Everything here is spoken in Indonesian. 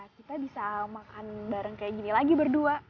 kita bisa makan bareng kayak gini lagi berdua